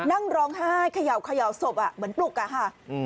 นั่งร้องไห้เขย่าศพเหมือนปลุกอะค่ะ